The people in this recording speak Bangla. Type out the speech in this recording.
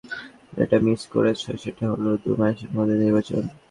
যেটা মিস করেছ সেটা হলো দু মাসের মধ্যে নির্বাচন।